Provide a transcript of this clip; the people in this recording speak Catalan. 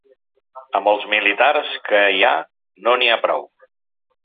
Amb els militars que hi ha no n’hi ha prou.